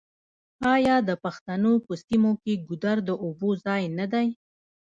آیا د پښتنو په سیمو کې ګودر د اوبو ځای نه دی؟